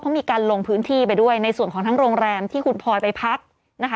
เขามีการลงพื้นที่ไปด้วยในส่วนของทั้งโรงแรมที่คุณพลอยไปพักนะคะ